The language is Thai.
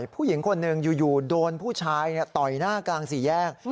ผู้หญิงคนหนึ่งอยู่โดนผู้ชายต่อยหน้ากลางสี่แยก